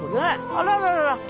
あらららら。